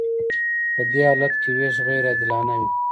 په دې حالت کې ویش غیر عادلانه وي.